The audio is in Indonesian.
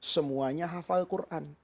semuanya hafal quran